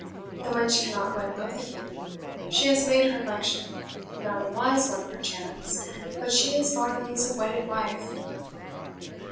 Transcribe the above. The wench cannot wed both of you? She has made her election not a wise one perchance but she is Varney's wedded wife."